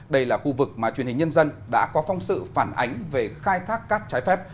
đây là khu vực mà truyền hình nhân dân đã có phong sự phản ánh về khai thác cát trái phép